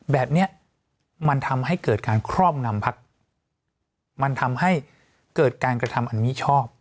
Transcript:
แบบนี้มันทำให้เกิดการครอบงำพักมันทำให้เกิดการกระทำอันมิชอบ